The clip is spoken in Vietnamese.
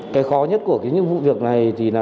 cái khó nhất của những vụ việc này thì là